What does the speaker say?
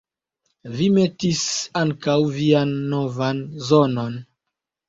Vi metis ankaŭ vian novan zonon!